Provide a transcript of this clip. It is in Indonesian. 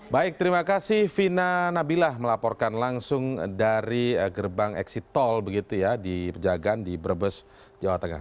baik terima kasih vina nabilah melaporkan langsung dari gerbang eksit tol di pejagaan di brebes jawa tengah